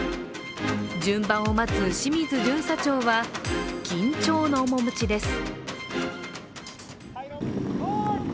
順番を待つ清水巡査長は緊張の面持ちです。